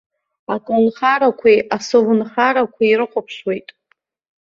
Аколнхарақәеи, асовнхарақәеи ирыхәаԥшуеит.